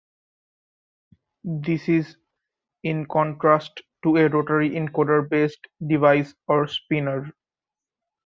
This is in contrast to a rotary encoder-based device or "spinner".